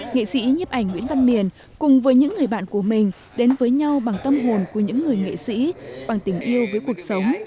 nghệ sĩ nhấp ảnh nguyễn văn miền cùng với những người bạn của mình đến với nhau bằng tâm hồn của những người nghệ sĩ bằng tình yêu với cuộc sống